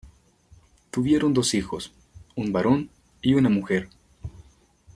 Tuvieron dos hijos, un varón y una mujer.